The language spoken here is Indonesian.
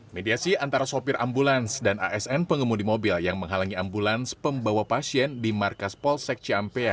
mediasi antara sopir ambulans dan asn pengemudi mobil yang menghalangi ambulans pembawa pasien di markas polsek ciampea